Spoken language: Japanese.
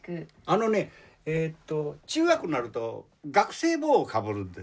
あのねえっと中学になると学生帽をかぶるんですよ。